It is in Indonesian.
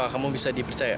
apa kamu bisa dipercaya